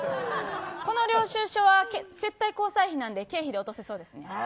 この領収書は接待交際費なんで経費で落とせそうですね。